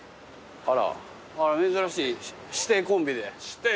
珍しい師弟コンビで。